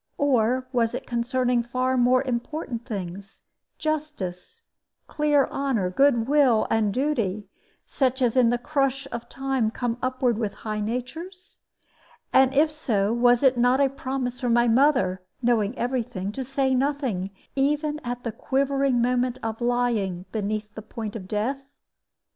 Or was it concerning far more important things, justice, clear honor, good will, and duty, such as in the crush of time come upward with high natures? And if so, was it not a promise from my mother, knowing every thing, to say nothing, even at the quivering moment of lying beneath the point of death?